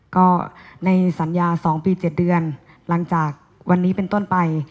ก็ในสัญญา๒ปี๗เดือนหลังจากวันนี้เป็นต้นไป